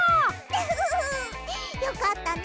フフフよかったね